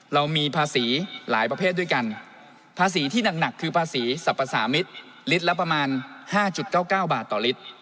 เรามีภาษีหลายประเภทด้วยกันภาษีที่หนักคือภาษีสรรพสามิตรลิตรละประมาณ๕๙๙บาทต่อลิตร